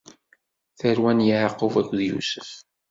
Tarwa n Yeɛqub akked Yusef.